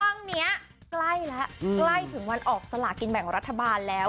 ครั้งนี้ใกล้แล้วใกล้ถึงวันออกสลากินแบ่งรัฐบาลแล้ว